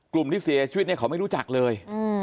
กลุ่มที่เสียชีวิตเนี่ยเขาไม่รู้จักเลย